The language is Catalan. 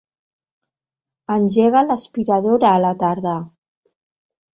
Engega l'aspiradora a la tarda.